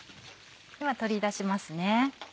では取り出しますね。